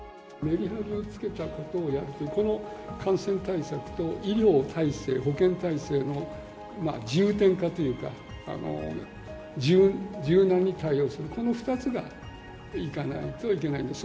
メリハリをつけたことをやって、この感染対策と医療体制・保健体制の重点化というか、柔軟に対応する、この２つがいかないといけない。